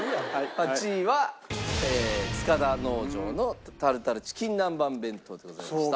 ８位は塚田農場のタルタルチキン南蛮弁当でございました。